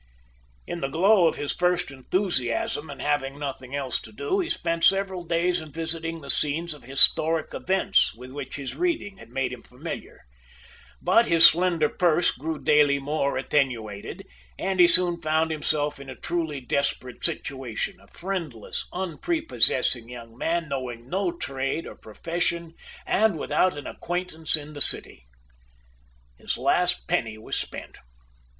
In the glow of his first enthusiasm, and having nothing else to do, he spent several days in visiting the scenes of historic events with which his reading had made him familiar. But his slender purse grew daily more attenuated, and he soon found himself in a truly desperate situation, a friendless, unprepossessing young man, knowing no trade or profession, and without an acquaintance in the city. His last penny was spent.